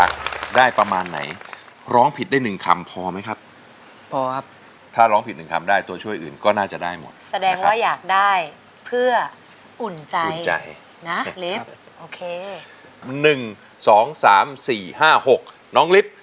๓ครับมาเรียกสามครับสามนะครับ